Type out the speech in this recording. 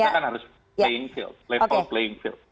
kita kan harus playing field